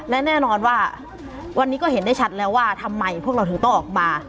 และแน่นอนว่าวันนี้ก็เห็นได้ชัดแล้วว่าทำไมพวกเราถึงต้องออกมา